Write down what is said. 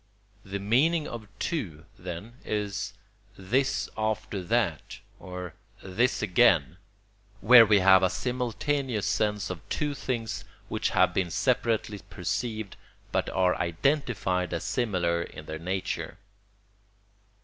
The meaning of "two," then, is "this after that" or "this again," where we have a simultaneous sense of two things which have been separately perceived but are identified as similar in their nature.